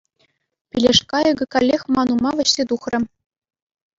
Пилеш кайӑкӗ каллех ман ума вӗҫсе тухрӗ.